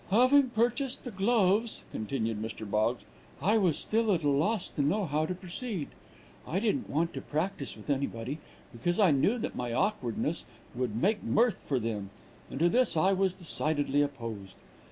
"Having purchased the gloves," continued Mr. Boggs, "I was still at a loss to know how to proceed. I didn't want to practice with anybody, because I knew that my awkwardness would make mirth for them, and to this I was decidedly opposed.